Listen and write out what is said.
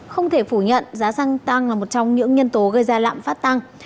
không thể phủ nhận giá xăng tăng là một trong những nhân tố gây ra lạm phát tăng